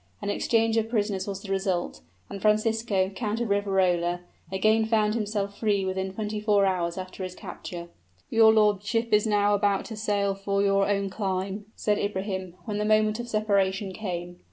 An exchange of prisoners was the result, and Francisco, Count of Riverola, again found himself free within twenty four hours after his capture. "Your lordship is now about to sail for your own clime," said Ibrahim, when the moment of separation came.